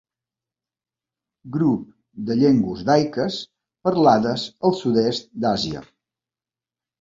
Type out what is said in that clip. Grup de llengües daiques parlades al sud-est d'Àsia.